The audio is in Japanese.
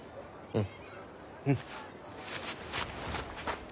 うん。